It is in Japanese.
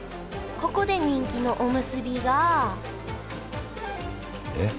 ここで人気のおむすびがえっ？